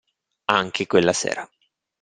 Anche quella sera.